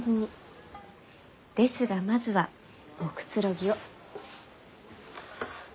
ですがまずはおくつろぎを。